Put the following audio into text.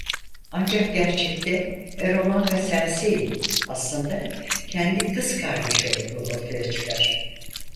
Ancak gerçekte "Eromanga-sensei" aslında kendi kız kardeşi olduğu ortaya çıkar.